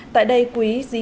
tại đây quý diễn